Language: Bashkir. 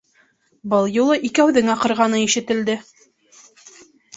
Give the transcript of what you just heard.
Был юлы икәүҙең аҡырғаны ишетелде.